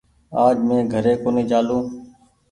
آج مينٚ گھري ڪونيٚ چآلون